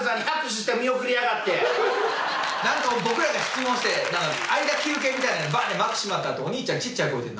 なんか僕らが質問して何か間休憩みたいなんでバン！って幕閉まったあとお兄ちゃんちっちゃい声で。